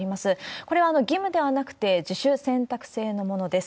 これは義務ではなくて自主選択制のものです。